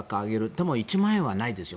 でも１万円はないですよ。